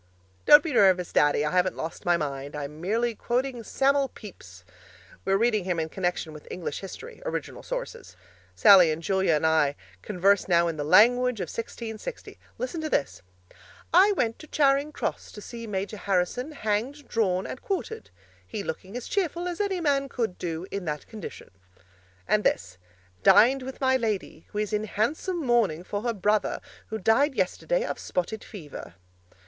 Don't be nervous, Daddy I haven't lost my mind; I'm merely quoting Sam'l Pepys. We're reading him in connection with English History, original sources. Sallie and Julia and I converse now in the language of 1660. Listen to this: 'I went to Charing Cross to see Major Harrison hanged, drawn and quartered: he looking as cheerful as any man could do in that condition.' And this: 'Dined with my lady who is in handsome mourning for her brother who died yesterday of spotted fever.'